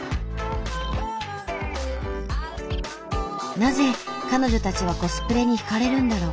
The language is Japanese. なぜ彼女たちはコスプレに引かれるんだろう？